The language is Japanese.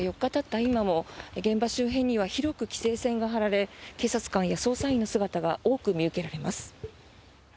今も現場周辺には広く規制線が張られ警察官や捜査員の姿が多く見受けられます。